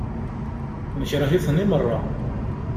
Nekṛeh-iten i meṛṛa.